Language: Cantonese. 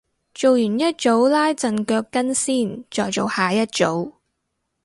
做完一組拉陣腳筋先再做下一組